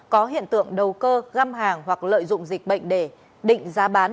có hiện tượng đầu cơ găm hàng hoặc lợi dụng dịch bệnh để định giá bán